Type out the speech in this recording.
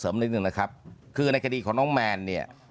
นิดนึงนะครับคือในคดีของน้องแมนเนี่ย